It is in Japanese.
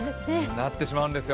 なってしまうんですよ。